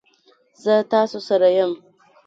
زه ستاسو سره یم